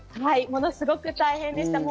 ものすごく大変でした。